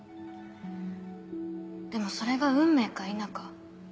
でもそれが運命か否か。